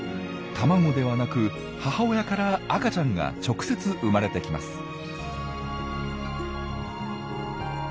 卵ではなく母親から赤ちゃんが直接生まれてきます。